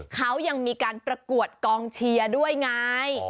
เขายังมีการประกวดกองเชียร์ด้วยไง